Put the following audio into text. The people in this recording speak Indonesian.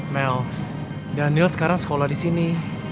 mel daniel sekarang sekolah disini